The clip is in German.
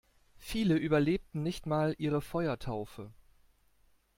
Viele überlebten nicht mal ihre Feuertaufe.